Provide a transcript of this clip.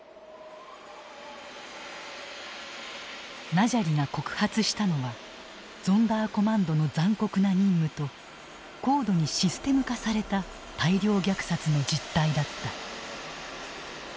ナジャリが告発したのはゾンダーコマンドの残酷な任務と高度にシステム化された大量虐殺の実態だった。